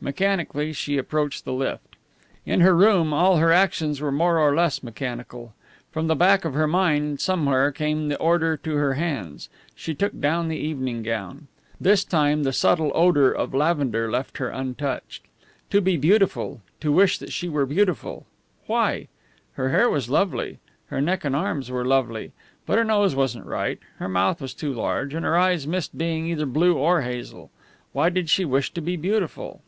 Mechanically she approached the lift. In her room all her actions were more or less mechanical. From the back of her mind somewhere came the order to her hands. She took down the evening gown. This time the subtle odour of lavender left her untouched. To be beautiful, to wish that she were beautiful! Why? Her hair was lovely; her neck and arms were lovely; but her nose wasn't right, her mouth was too large, and her eyes missed being either blue or hazel. Why did she wish to be beautiful?